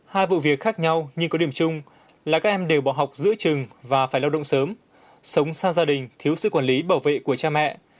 hai vụ việc khác nhau nhưng có điểm chung là các em đều bỏ học giữa trường và phải lao động sớm sống xa gia đình thiếu sự quản lý bảo vệ của cha mẹ